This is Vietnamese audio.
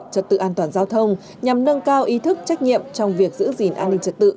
trật tự an toàn giao thông nhằm nâng cao ý thức trách nhiệm trong việc giữ gìn an ninh trật tự